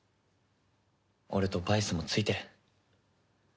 俺とバイスもついてる。